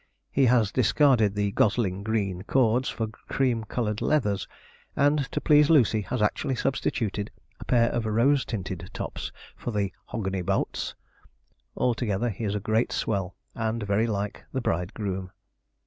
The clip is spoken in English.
He has discarded the gosling green cords for cream coloured leathers, and, to please Lucy, has actually substituted a pair of rose tinted tops for the 'hogany bouts'. Altogether he is a great swell, and very like the bridegroom.